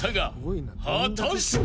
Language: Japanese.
［果たして］